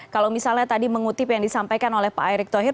kalau misalnya tadi mengutip yang disampaikan oleh pak erick thohir